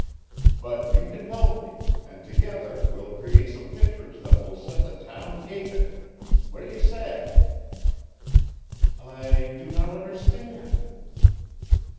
But you can help me, and together we'll create some pictures that will set the town gaping. What do you say?" "I do not understand."